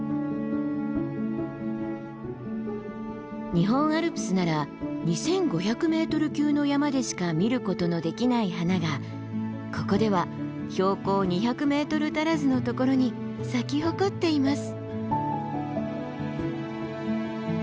日本アルプスなら２，５００ｍ級の山でしか見ることのできない花がここでは標高２００ｍ足らずのところに咲き誇っています。